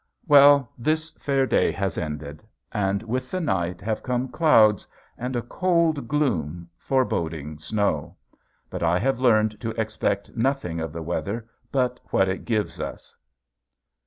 Well ... this fair day has passed, and with the night have come clouds and a cold gloom foreboding snow. But I have learned to expect nothing of the weather but what it gives us.